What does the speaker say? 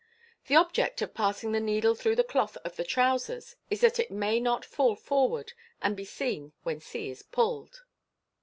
The object of passing the needle through the cloth of the trousers is that it may not fall forward and be seen when c is pulled.